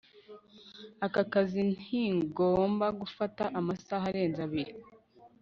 aka kazi ntigomba gufata amasaha arenze abiri